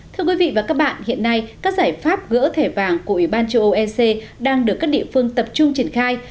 thưa quý vị và các bạn hiện nay các giải pháp gỡ thẻ vàng của ủy ban châu âu ec đang được các địa phương tập trung triển khai